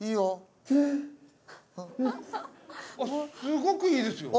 すごくいいですよ。